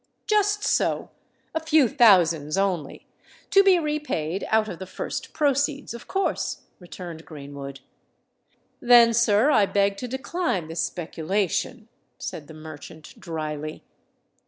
"Just so—a few thousands only—to be repaid out of the first proceeds, of course," returned Greenwood. "Then, sir, I beg to decline the speculation," said the merchant, drily.